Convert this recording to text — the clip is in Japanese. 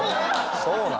そうなん？